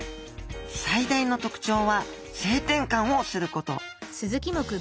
最大の特徴は性転換をすること。